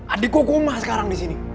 adik gue koma sekarang disini